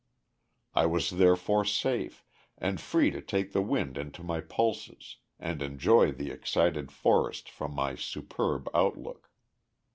I was therefore safe, and free to take the wind into my pulses and enjoy the excited forest from my superb outlook....